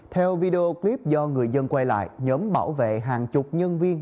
theo video clip do người dân quay lại nhóm bảo vệ hàng chục nhân viên